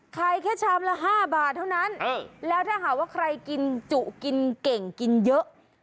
ขายแค่ชามละ๕บาทเท่านั้นแล้วถ้าหากว่าใครกินจุกินเก่งกินเยอะ